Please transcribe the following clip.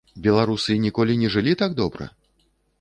Беларусы ніколі не жылі так добра?